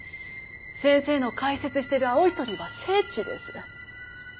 先生の開設してる青い鳥は聖地です。